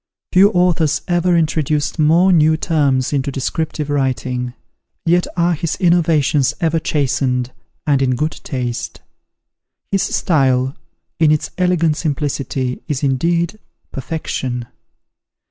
Few authors ever introduced more new terms into descriptive writing: yet are his innovations ever chastened, and in good taste. His style, in its elegant simplicity, is, indeed, perfection.